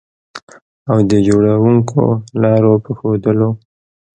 او د جوړوونکو لارو په ښودلو